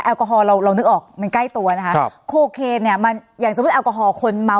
กอฮอลเราเรานึกออกมันใกล้ตัวนะคะครับโคเคนเนี่ยมันอย่างสมมุติแอลกอฮอลคนเมา